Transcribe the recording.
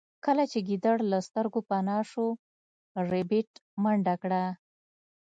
کله چې ګیدړ له سترګو پناه شو ربیټ منډه کړه